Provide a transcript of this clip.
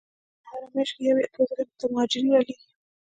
په هره میاشت کې یو یا دوه ځلې موږ ته مهاجرین را لیږي.